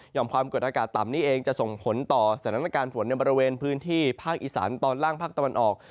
ความกดอากาศต่ำนี้เองจะส่งผลต่อสถานการณ์ฝนในบริเวณพื้นที่ภาคอีสานตอนล่างภาคตะวันออก